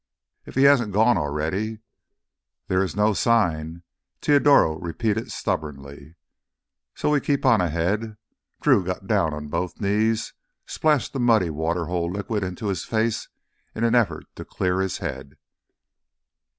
"If he hasn't gone already!" "There is no sign," Teodoro repeated stubbornly. "So we keep on ahead." Drew got down on both knees, splashed the muddy water hole liquid into his face in an effort to clear his head.